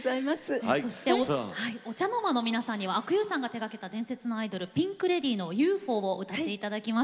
ＯＣＨＡＮＯＲＭＡの皆さんには阿久悠さんが手がけた伝説のアイドルピンク・レディーの「ＵＦＯ」を歌って頂きます。